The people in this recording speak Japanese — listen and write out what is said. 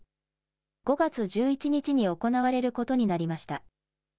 ５月１１日に行われることになりました。